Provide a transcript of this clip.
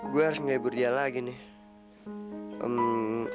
gue harus menghibur dia lagi nih